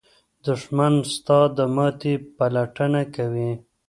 دښمن ستا د ماتې پلټنه کوي